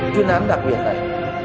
chuyên án đặc biệt này